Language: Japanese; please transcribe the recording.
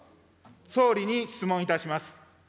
総理に質問いたします。